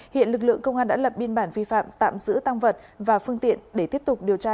hiện lực lượng công an đã lập biên bản vi phạm tạm giữ tăng vật và phương tiện để tiếp tục điều tra